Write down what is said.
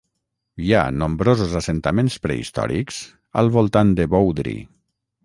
Hi ha nombrosos assentaments prehistòrics al voltant de Boudry.